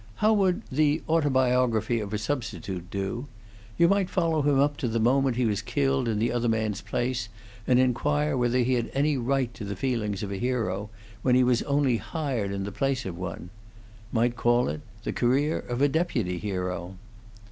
How would 'The Autobiography of a Substitute' do? You might follow him up to the moment he was killed in the other man's place, and inquire whether he had any right to the feelings of a hero when he was only hired in the place of one. Might call it 'The Career of a Deputy Hero.'"